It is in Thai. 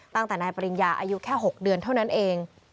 ตั้งแต่นายปริญญาอายุแค่๖เดือนเท่านั้นเอง